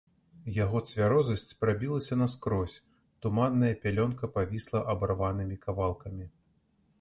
Яго цвярозасць прабілася наскрозь, туманная пялёнка павісла абарванымі кавалкамі.